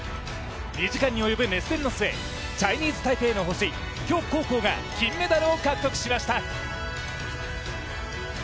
２時間に及ぶ熱戦の末チャイニーズタイペイの星許選手が金メダルを獲得しました。